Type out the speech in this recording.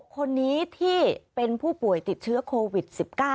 คนนี้ที่เป็นผู้ป่วยติดเชื้อโควิด๑๙